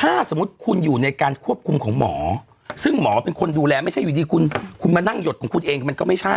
ถ้าสมมุติคุณอยู่ในการควบคุมของหมอซึ่งหมอเป็นคนดูแลไม่ใช่อยู่ดีคุณมานั่งหยดของคุณเองมันก็ไม่ใช่